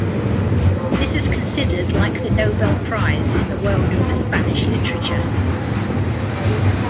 This is considered like the Nobel prize in the world of the Spanish Literature.